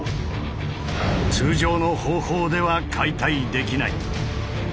通常の方法では解体できない。